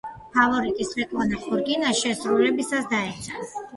ფავორიტი სვეტლანა ხორკინა შესრულებისას დაეცა.